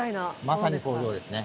まさに工場ですね。